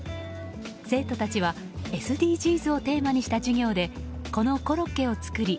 生徒たちはＳＤＧｓをテーマにした授業でこのコロッケを作り